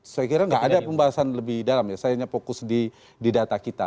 saya kira nggak ada pembahasan lebih dalam ya saya hanya fokus di data kita